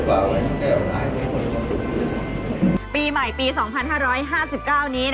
ปีใหม่ปี๒๕๕๙นี้นะคะ